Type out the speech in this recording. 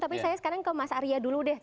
tapi saya sekarang ke mas arya dulu deh